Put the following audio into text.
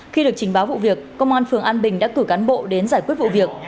khi được trình báo vụ việc công an phường an bình đã cử cán bộ đến giải quyết vụ việc